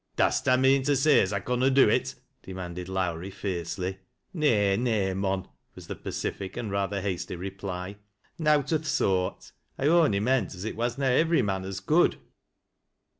Da'st ta mean to say as I conna do it ?" demanded Lowrie fiercely. " Nay — nay, mon," was the pacific and rather hastj reply. " Nowt o' th' soart. I on'y meant as it was na ivvery mon as could."